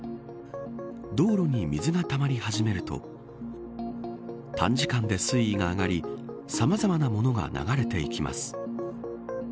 道路に水がたまり始めると短時間で水位が上がりさまざまなものが流れていきます。